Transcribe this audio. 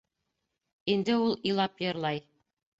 Инде ул илап йырлай.